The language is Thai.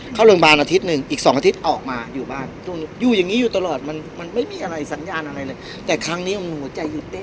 เข้าโรงพยาบาลอาทิตย์หนึ่งอีกสองอาทิตย์ออกมาอยู่บ้านอยู่อย่างนี้อยู่ตลอดมันมันไม่มีอะไรสัญญาณอะไรเลยแต่ครั้งนี้ของหนูหัวใจหยุดเต้น